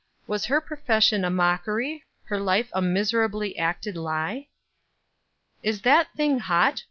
Was her profession a mockery, her life a miserably acted lie? "Is that thing hot?"